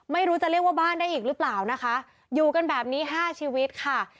ไม่รู้ว่าจะเรียกว่าบ้านได้อีกหรือเปล่านะคะอยู่กันแบบนี้ห้าชีวิตค่ะ